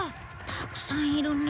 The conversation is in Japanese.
たくさんいるね。